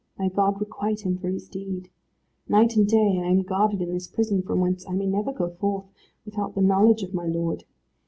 May God requite him for his deed. Night and day I am guarded in this prison, from whence I may never go forth, without the knowledge of my lord.